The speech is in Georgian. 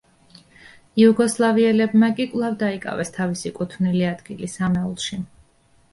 იუგოსლავიელებმა კი კვლავ დაიკავეს თავისი კუთვნილი ადგილი სამეულში.